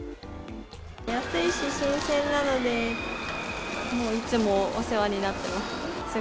安いし新鮮なので、いつもお世話になってます。